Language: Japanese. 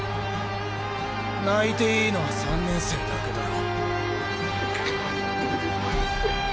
泣いていいのは３年生だけだろ。